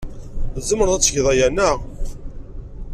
Tzemreḍ ad tgeḍ aya, naɣ?